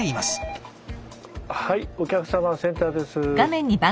はいお客さまセンターです。